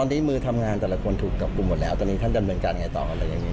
ตอนนี้มือทำงานแต่ละคนถูกจับกลุ่มหมดแล้วตอนนี้ท่านดำเนินการยังไงต่ออะไรอย่างนี้